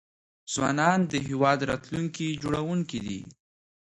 ځوانان د هيواد راتلونکي جوړونکي دي .